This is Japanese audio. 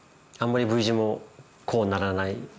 あんまりＶ字もこうならない。